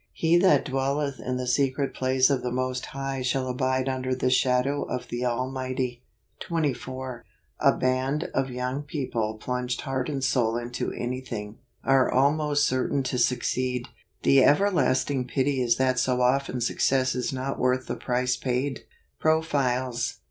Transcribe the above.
" He that dwellelh in the secret place of the most High shall abide under the shadow of the Almighty." 94 AVGUST. 24. A band of young people plunged heart and soul into anything, are almost certain to succeed. The everlasting pity is that so often success is not worth the price paid. Profiles.